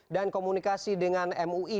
dan komunikasi dengan mui